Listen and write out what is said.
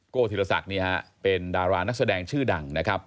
โก้ถิลศักดิ์เนี้ยเป็นดารานักแสดงชื่อดังนะครับ